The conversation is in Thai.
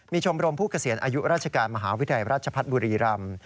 มีชมรมผู้เกษียณอายุราชการมหาวิทยาลัยราชพัฒน์บุรีรำ